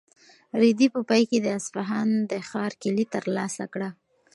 رېدي په پای کې د اصفهان د ښار کیلي ترلاسه کړه.